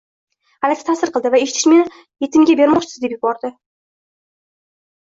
g'alati ta'sir qildi va eshitishi bilan «meni yetimga bermoqchisiz?» deb yubordi.